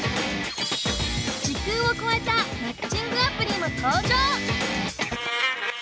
時空を超えたマッチングアプリも登場！